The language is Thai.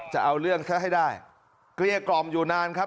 จะเอาเรื่องซะให้ได้เกลี้ยกล่อมอยู่นานครับ